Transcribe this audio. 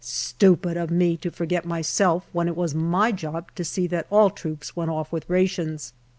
Stupid of me to forget myself, when it was my job to see that all troops went off with rations.